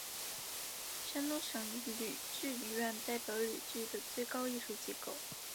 山东省吕剧院代表了吕剧的最高艺术机构。